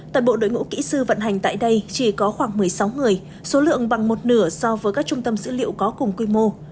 tại bộ đội ngũ kỹ sư vận hành tại đây chỉ có khoảng một mươi sáu người số lượng bằng một nửa so với các trung tâm dữ liệu có cùng quy mô